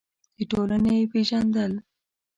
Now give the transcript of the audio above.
د ټولنې پېژندل: